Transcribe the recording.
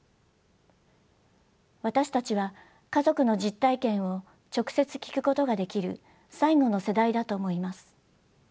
私たちは家族の実体験を直接聞くことができる最後の世代だと思います。